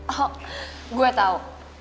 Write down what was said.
oh gue tau